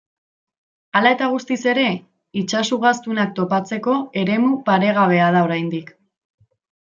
Hala eta guztiz ere, itsas-ugaztunak topatzeko eremu paregabea da oraindik.